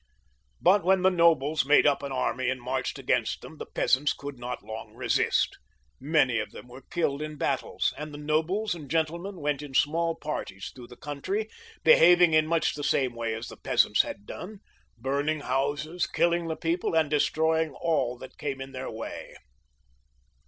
But when the nobles made up an army and marched against them, the peasants could not long resist ; many of them were killed in battles, and the nobles and gentlemen went in small parties through the country, behaving in much the same way as the peasants had done — ^burning houses, killing the people, and destroying all that came in their way.